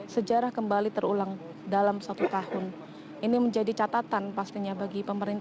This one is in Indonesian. sejarah kembali terulang